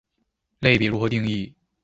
類別如何定義